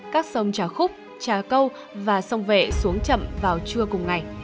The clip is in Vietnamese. các sông trà khúc trà câu và sông vệ xuống chậm vào trưa cùng ngày